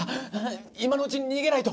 今のうちに逃げないと。